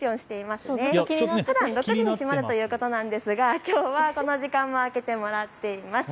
ふだん６時に閉まるということなんですが、きょうはこの時間も開けてもらっています。